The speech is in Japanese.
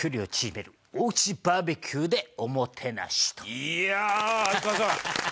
いやあ哀川さん！